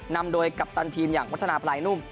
นำโดยกัปตันทีมอย่างวัฒนาพลายนุ่ม